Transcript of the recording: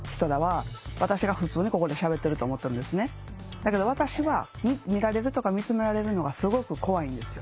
だけど私は見られるとか見つめられるのがすごく怖いんですよ。